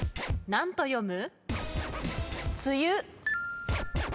何と読む？